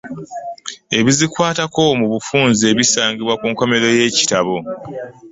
Ebizikwatako mu bufunze bisangibwa ku nkomerero y'ekitabo.